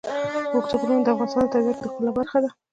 اوږده غرونه د افغانستان د طبیعت د ښکلا برخه ده.